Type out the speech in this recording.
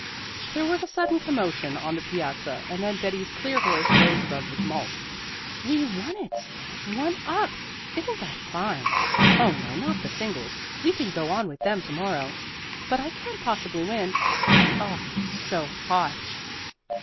There was a sudden commotion on the piazza and then Betty's clear voice rose above the tumult. "We won it, one up! Isn't that fine? Oh no, not the singles; we go on with them to morrow, but I can't possibly win. Oh, I'm so hot!"